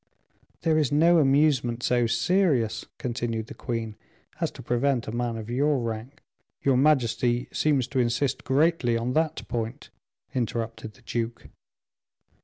"There is no amusement so serious," continued the queen, "as to prevent a man of your rank " "Your majesty seems to insist greatly on that point," interrupted the duke.